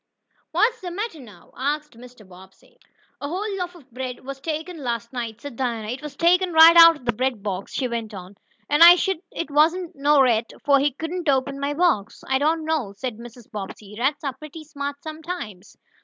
"What's the matter now?" asked Mr. Bobbsey. "A whole loaf of bread was tooken last night," said Dinah. "It was tooken right out ob de bread box," she went on, "and I'se shuah it wasn't no rat, fo' he couldn't open my box." "I don't know," said Mrs. Bobbsey. "Rats are pretty smart sometimes."